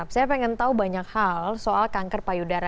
saya pengen tahu banyak hal soal kanker payudara